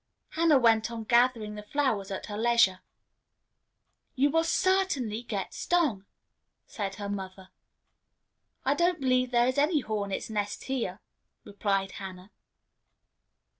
Hannah went on gathering the flowers at her leisure. "You will certainly get stung," said her mother. "I don't believe there is any hornets' nest here," replied Hannah.